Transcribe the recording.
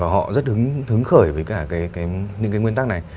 họ rất hứng khởi với cả những cái nguyên tắc này